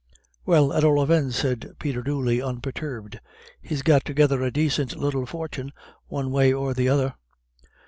"Well, at all events," said Peter Dooley, unperturbed, "he's got together a dacint little fortin one way or the other.